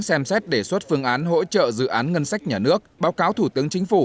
xem xét đề xuất phương án hỗ trợ dự án ngân sách nhà nước báo cáo thủ tướng chính phủ